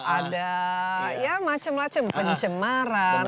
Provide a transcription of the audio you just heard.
ada ya macam macam pencemaran